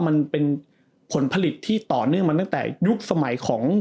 มันเป็นผลผลิตที่ต่อเนื่องมาตั้งแต่ยุคสมัยของ